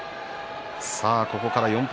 さあここから４敗